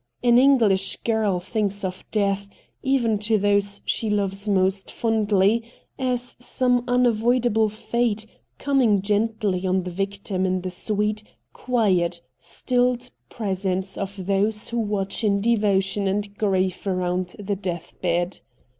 An English girl thinks of death, even to those she loves most fondly, as some unavoidable fate coming gently on the victim in the sweet, quiet, stilled presence of those who watch in devotion and grief around the death bed.